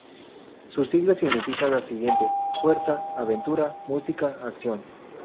Sus siglas significan lo siguiente: Fuerza, Aventura, Música, Acción.